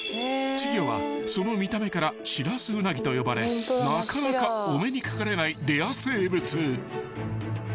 ［稚魚はその見た目からシラスウナギと呼ばれなかなかお目にかかれない］